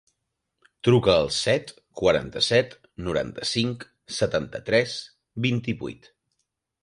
Truca al set, quaranta-set, noranta-cinc, setanta-tres, vint-i-vuit.